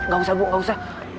gak usah bu gak usah